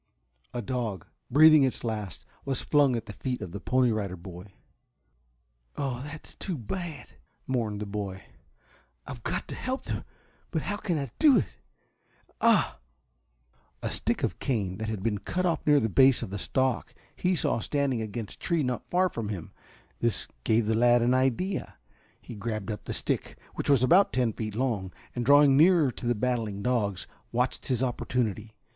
A dog, breathing its last, was flung at the feet of the Pony Rider Boy. "Oh, that's too bad," mourned the boy. "I've got to help them! But how can I do it? Ah!" A stick of cane that had been cut off near the base of the stalk he saw standing against a tree not far from him. This gave the lad an idea. He grabbed up the stick, which was about ten feet long, and drawing near to the battling dogs, watched his opportunity.